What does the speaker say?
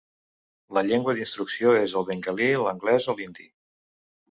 La llengua d'instrucció és el bengalí, l'anglès o l'hindi.